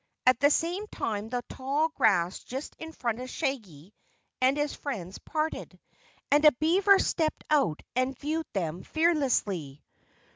At the same time the tall grass just in front of Shaggy and his friends parted, and a beaver stepped out and viewed them fearlessly.